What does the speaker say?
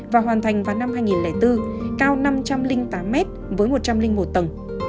và hoàn thành vào năm hai nghìn bốn cao năm trăm linh tám mét với một trăm linh một tầng